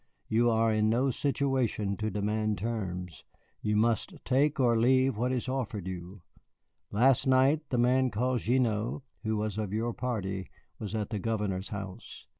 You are in no situation to demand terms; you must take or leave what is offered you. Last night the man called Gignoux, who was of your party, was at the Governor's house."